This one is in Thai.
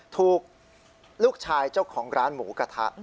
ถูกลูกชายเจ้าของร้านหมูกระทะ